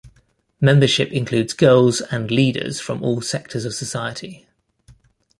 Membership includes girls and leaders from all sectors of society.